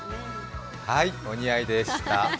はい、お似合いでした。